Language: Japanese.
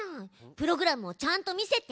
プログラムをちゃんと見せて！